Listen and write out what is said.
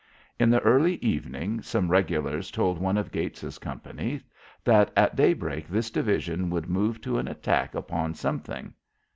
In the early evening some regulars told one of Gates's companies that at daybreak this division would move to an attack upon something.